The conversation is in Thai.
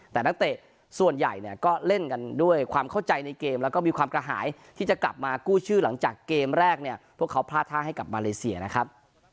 แต่นักเตะส่วนใหญ่เนี่ยก็เล่นกันด้วยความเข้าใจในเกมแล้วก็มีความกระหายที่จะกลับมากู้ชื่อหลังจากเกมแรกเนี่ยพวกเขาพลาดท่าให้กับมาเลเซียนะครับ